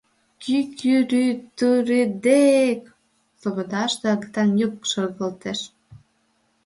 — Кӱ-кӱ-рӱ-тӱрэд-эк! — слободаште агытан йӱк шергылтеш.